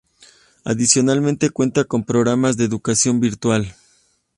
Adicionalmente, cuenta con programas de educación virtual.